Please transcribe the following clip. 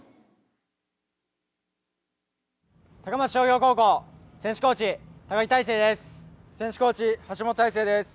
高松商業高校選手コーチ、高木大誠です。